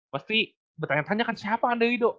pasti bertanya tanya kan siapa ander ido